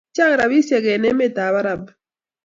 Chang rapishek en emet ab Arab